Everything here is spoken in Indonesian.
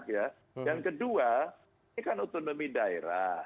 yang kedua ini kan otonomi daerah